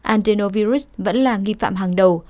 adenovirus vẫn là nghi phạm hàng đầu